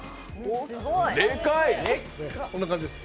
こんな感じです。